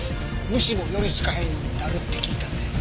虫も寄りつかへんようになるって聞いたんで。